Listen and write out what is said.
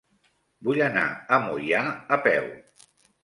Vull anar a Moià a peu.